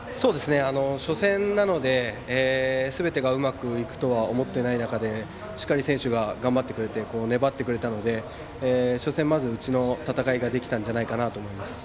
初戦なのですべてがうまくいくとは思っていない中でしっかり選手が頑張ってくれて粘ってくれたので初戦、まずうちの戦いができたんじゃないかなと思います。